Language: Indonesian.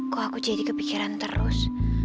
kok aku jadi kepikiran terus